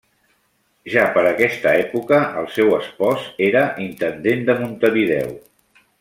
Ja per aquesta època el seu espòs era intendent de Montevideo.